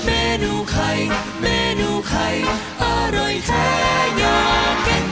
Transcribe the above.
เมนูไข่เมนูไข่อร่อยแท้อยากกิน